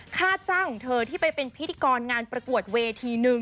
ค่าจ้างของเธอที่ไปเป็นพิธีกรงานประกวดเวทีหนึ่ง